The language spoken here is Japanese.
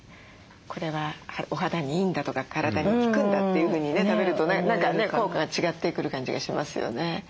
これはお肌にいいんだとか体に効くんだというふうに食べると何かね効果が違ってくる感じがしますよね。